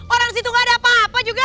orang di situ nggak ada apa apa juga